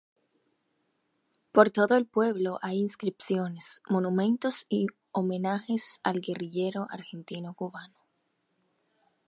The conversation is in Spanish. Por todo el pueblo hay inscripciones, monumentos y homenajes al guerrillero argentino-cubano.